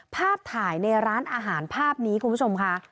ภาพถ่ายในร้านอาหารภาพนี้คุณผู้ชมค่ะ